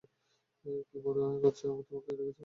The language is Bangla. কী মনে করেছ আমরা তোমাকে রেখে চলে যাব?